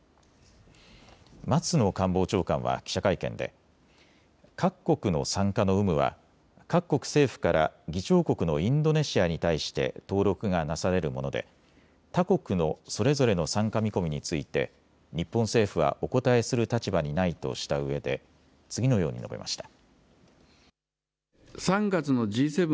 松野官房長官は記者会見で各国の参加の有無は各国政府から議長国のインドネシアに対して登録がなされるもので他国のそれぞれの参加見込みについて日本政府はお答えする立場にないとしたうえで次のように述べました。